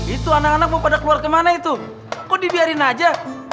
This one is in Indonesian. itu anak anak mau pada keluar kemana itu kok dibiarin aja